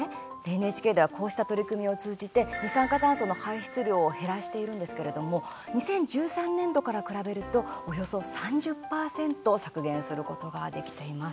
ＮＨＫでは、こうした取り組みを通じて、二酸化炭素の排出量を減らしているんですけれども２０１３年度から比べるとおよそ３０％削減することができています。